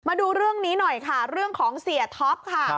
มาดูเรื่องนี้หน่อยค่ะเรื่องของเสียท็อปค่ะ